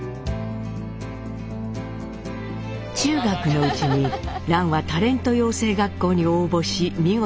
中学のうちに蘭はタレント養成学校に応募し見事合格。